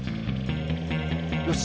よし！